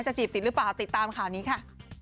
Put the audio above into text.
จีบติดหรือเปล่าติดตามข่าวนี้ค่ะ